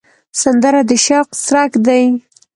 سندره د شوق څرک دی